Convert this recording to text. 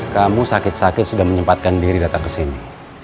kamu sakit sakit sudah menyempatkan diri datang kesini